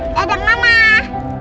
oke ma dadah mama